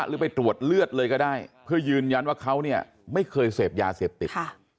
หรือไปตรวจเลือดเลยก็ได้เพื่อยืนยันว่าเขาเนี่ยไม่เคยเสพยาเสพติด